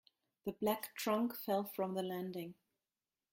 The black trunk fell from the landing.